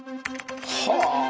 はあ！